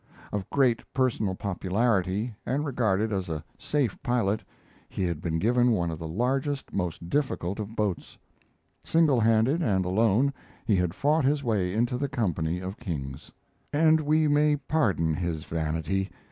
Of great personal popularity, and regarded as a safe pilot, he had been given one of the largest, most difficult of boats. Single handed and alone he had fought his way into the company of kings. And we may pardon his vanity.